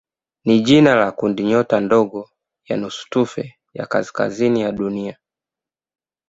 ni jina la kundinyota ndogo ya nusutufe ya kaskazini ya Dunia.